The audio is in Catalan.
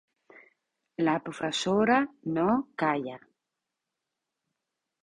La professora no calla.